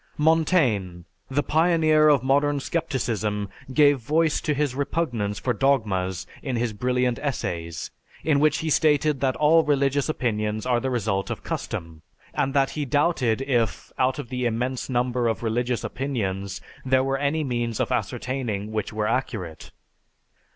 Montaigne, the pioneer of modern scepticism, gave voice to his repugnance for dogmas in his brilliant Essays, in which he stated that all religious opinions are the result of custom; and that he doubted if, out of the immense number of religious opinions, there were any means of ascertaining which were accurate.